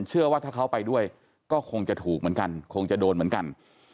เชื่อว่าถ้าเขาไปด้วยก็คงจะถูกเหมือนกันคงจะโดนเหมือนกัน